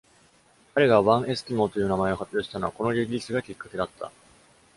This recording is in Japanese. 彼が「One eskimo」という名前を発表したのは、このリリースがきっかけだった。